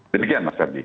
demikian mas ferdi